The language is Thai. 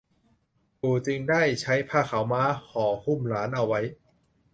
ปู่จึงได้ใช้ผ้าขาวม้าห่อหุ้มหลานเอาไว้